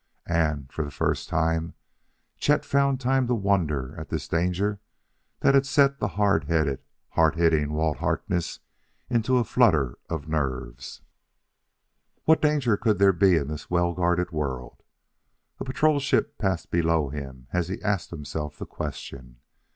And, for the first time, Chet found time to wonder at this danger that had set the hard headed, hard hitting Walt Harkness into a flutter of nerves. What danger could there be in this well guarded world? A patrol ship passed below him as he asked himself the question.